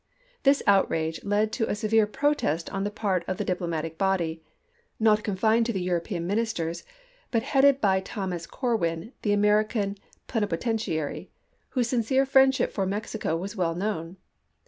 This outrage led to a severe protest on the part of the diplomatic body, not confined to the European Ministers, but headed by Thomas Corwin, the American plenipotentiary, whose sincere friendship for Mexico was well known.